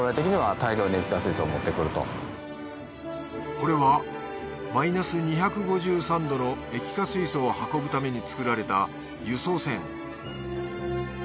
これはマイナス２５３℃の液化水素を運ぶために造られた輸送船。